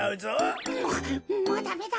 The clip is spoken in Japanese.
もうダメだ。